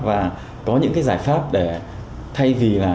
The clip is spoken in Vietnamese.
và có những giải pháp để thay vì